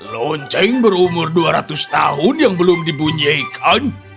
lonceng berumur dua ratus tahun yang belum dibunyikan